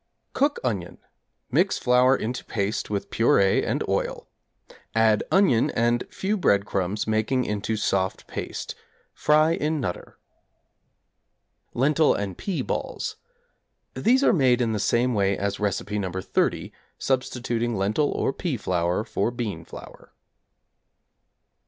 Cook onion; mix flour into paste with purée and oil; add onion and few breadcrumbs making into soft paste. Fry in 'Nutter.' =31. Lentil and Pea Balls= These are made in the same way as Recipe No. 30, substituting lentil or pea flour for bean flour.